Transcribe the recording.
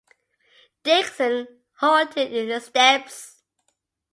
Dickson halted in his steps.